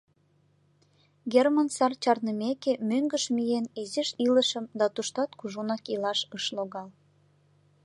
Герман сар чарнымеке, мӧҥгыш миен, изиш илышым да туштат кужунак илаш ыш логал.